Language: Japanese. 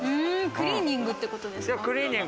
クリーニングってことですか？